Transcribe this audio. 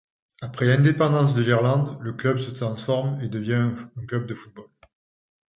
Après l’indépendance de l’Irlande, le club se transforme et devient un club de football.